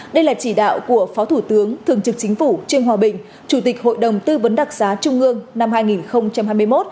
đây là chỉ đạo của phó thủ tướng thường trực chính phủ trương hòa bình chủ tịch hội đồng tư vấn đặc xá trung ương năm hai nghìn hai mươi một